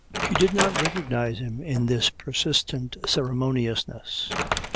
"] She did not recognise him in this persistent ceremoniousness.